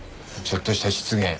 ちょっとした失言。